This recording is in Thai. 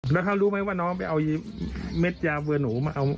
แล้วเขารู้ไหมว่าน้องไปเอาเม็ดยาเบื่อหนูมาเอา